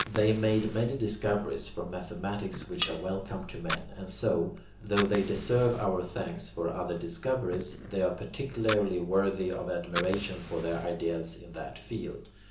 They made many discoveries from mathematics which are welcome to men, and so, though they deserve our thanks for other discoveries, they are particularly worthy of admiration for their ideas in that field.